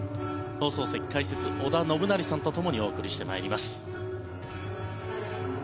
放送席、解説は織田信成さんと共にお送りしてまいります。